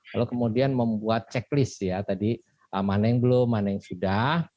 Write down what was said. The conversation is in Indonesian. lalu kemudian membuat checklist ya tadi mana yang belum mana yang sudah